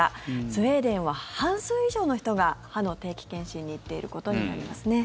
スウェーデンは半数以上の人が歯の定期検診に行ってることになりますね。